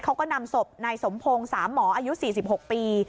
เขาก็นำศพนายสมพงศ์สามหมออายุ๔๖ปี